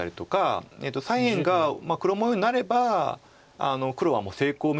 左辺が黒模様になれば黒は成功みたいな。